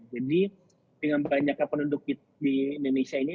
jadi dengan banyaknya penduduk di indonesia ini